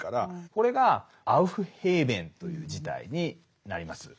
これがアウフヘーベンという事態になります。